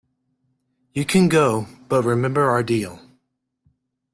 You can go, but remember our deal.